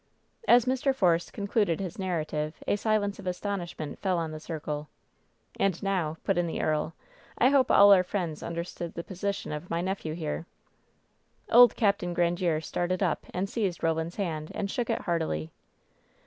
As Mr. Force concluded his narrative a silence of astonishment fell on the circle. "And now," put in the earl, "I hope all our friends understand the position of my nephew here." Old Capt. Grandiere started up and seized Boland's hand, and shook it heartily.